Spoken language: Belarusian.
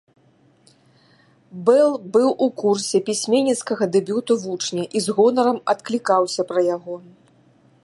Бэл быў у курсе пісьменніцкага дэбюту вучня і з гонарам адклікаўся пра яго.